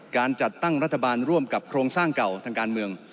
การจัดตั้งรัฐบาลร่วมกับโครงสร้างเก่าทางการเมือง